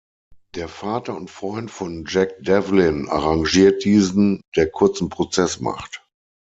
Der Vater und Freund von Jack Devlin arrangiert diesen, der kurzen Prozess macht.